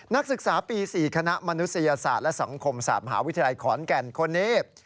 นักศึกษาปี๔คณะมนุษยศาสตร์และสังคมศาสตร์มหาวิทยาลัยขอนแก่นคนนี้